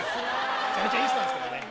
めちゃめちゃいい人なんすけどね。